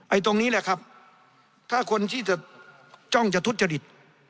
ตรงนี้แหละครับถ้าคนที่จะจ้องจะทุจริต